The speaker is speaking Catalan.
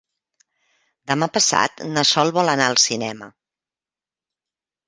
Demà passat na Sol vol anar al cinema.